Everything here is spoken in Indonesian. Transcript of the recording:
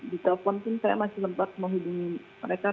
ditelepon saya masih lupa menghubungi mereka